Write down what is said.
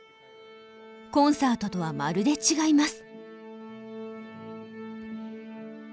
コンサートとはまるで違います。